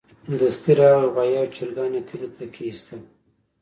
دستي راغی غوايي او چرګان يې کلي ته کېستل.